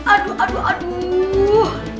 aduh aduh aduh